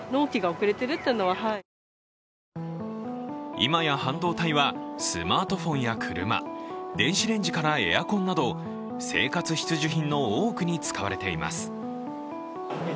今や半導体は、スマートフォンや車、電子レンジからエアコンなど生活必需品の多くに使われています。